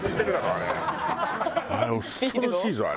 あれ恐ろしいぞあれ。